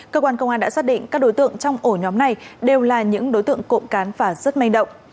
cơ quan công an đã xác định các đối tượng trong ổ nhóm này đều là những đối tượng cộng cán và rất manh động